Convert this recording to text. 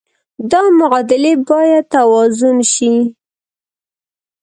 دا معادلې باید توازن شي.